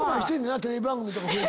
テレビ番組とか。